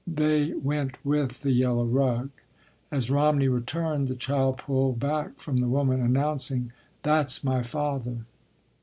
They went with the yellow rug. As Romney returned, the child pulled back from the woman, announcing: "That’s my father."